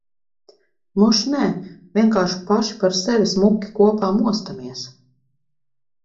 Moš nē, vienkārši paši par sevi smuki kopā mostamies.